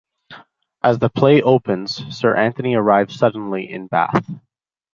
As the play opens, Sir Anthony arrives suddenly in Bath.